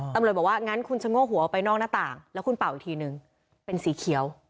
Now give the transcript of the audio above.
ตำรวจบอกว่างั้นคุณชะโง่หัวออกไปนอกหน้าต่างแล้วคุณเป่าอีกทีนึงเป็นสีเขียว